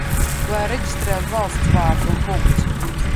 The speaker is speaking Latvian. Lai reģistrē uz valsts vārda, un punkts!